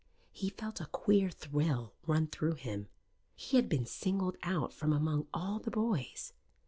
He felt a queer thrill run through him. He had been singled out from among all the boys.